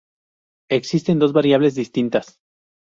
Existen dos variables distintas.